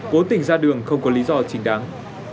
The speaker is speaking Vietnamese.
cố tình ra đường không có lý do chính đáng